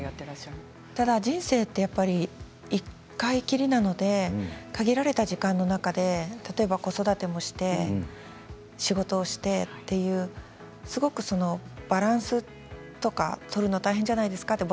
ただ人生は１回きりなので限られた時間の中で例えば子育てもして仕事もしてというすごく、バランスとか取るの大変じゃないですか？と。